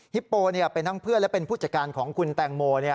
โปเป็นทั้งเพื่อนและเป็นผู้จัดการของคุณแตงโม